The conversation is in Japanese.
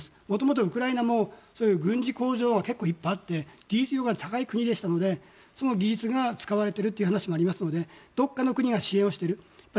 もともと、ウクライナもそういう軍事工場がいっぱいあって技術力が高い国でしたのでその技術が使われているという話もありますのでどこかの国が支援をしている。